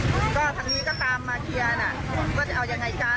ก็ทางนี้ก็ตามมาเคลียร์น่ะว่าจะเอายังไงกัน